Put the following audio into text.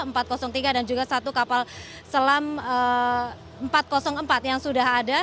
ini kapal selam nagapasa empat ratus tiga dan juga satu kapal selam empat ratus empat yang sudah ada